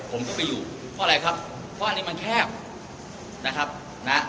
ผมก็ไปอยู่เพราะอะไรครับเพราะอันนี้มันแคบนะครับนะ